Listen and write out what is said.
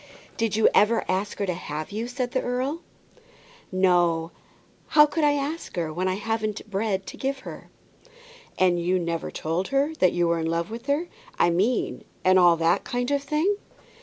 "Did you ever ask her to have you?" said the earl. "No; how could I ask her, when I hadn't bread to give her?" "And you never told her that you were in love with her, I mean, and all that kind of thing."